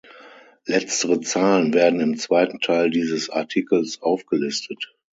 Letztere Zahlen werden im zweiten Teil dieses Artikels aufgelistet.